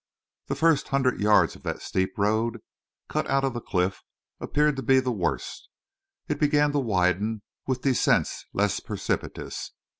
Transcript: The first hundred yards of that steep road cut out of the cliff appeared to be the worst. It began to widen, with descents less precipitous.